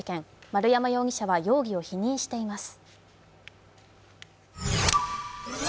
丸山容疑者は容疑を否認しています。